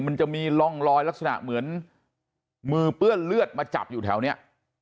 มันจะมีร่องรอยลักษณะเหมือนมือเปื้อนเลือดมาจับอยู่แถวนี้